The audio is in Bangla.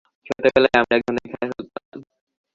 ছোটবেলায় আমরা একধরনের খেলা খেলতাম।